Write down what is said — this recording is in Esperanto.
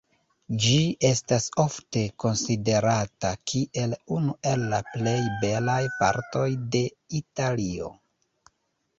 Ĝi estas ofte konsiderata kiel unu el la plej belaj partoj de Italio.